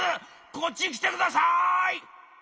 こっち来てください！」。